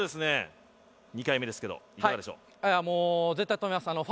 ２回目ですけどいかがでしょう？